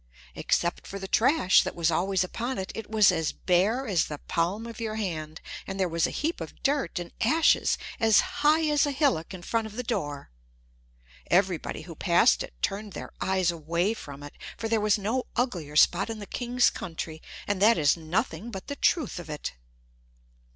Except for the trash that was always upon it, it was as bare as the palm of your hand; and there was a heap of dirt and ashes as high as a hillock in front of the door. Everybody who passed it turned their eyes away from it, for there was no uglier spot in the king's country; and that is nothing but the truth of it.